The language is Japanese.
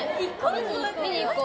行こう